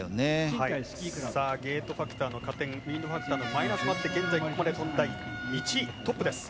ゲートファクターの加点ウインドファクターのマイナスもあって現在、ここまで飛んだ１位、トップです。